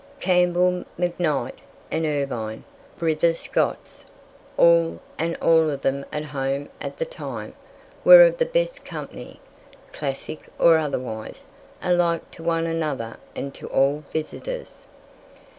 "Campbell, McKnight, and Irvine," "brither Scots" all, and all of them at home at the time, were of the best company, classic or otherwise, alike to one another and to all visitors.